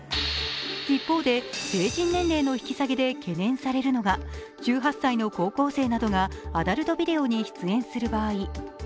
一方で、成人年齢の引き下げで懸念されるのが、１８歳の高校生などがアダルトビデオに出演する場合。